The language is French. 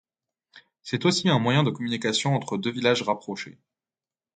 C’est aussi un moyen de communication entre deux villages rapprochés.